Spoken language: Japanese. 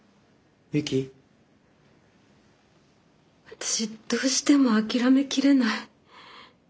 私どうしても諦めきれない。